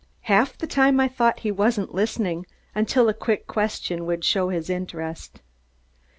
Half the time I thought he wasn't listening, until a quick question would show his interest.